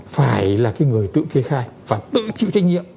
phải là cái người tự kê khai phải tự chịu trách nhiệm